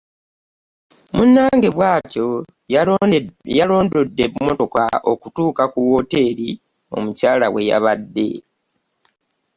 Munnange bw'atyo, yalondodde emmotoka okutuuka ku wooteri omukyala we yabadde.